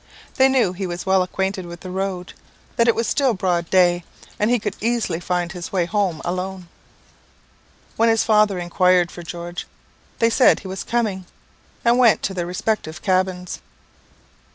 They knew he was well acquainted with the road, that it was still broad day, and he could easily find his way home alone. When his father inquired for George, they said he was coming, and went to their respective cabins.